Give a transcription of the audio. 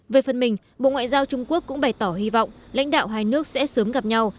về phần mình bộ ngoại giao trung quốc cũng bày tỏ hy vọng lãnh đạo hai nước sẽ sớm gặp nhau